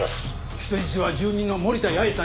人質は住人の森田八重さん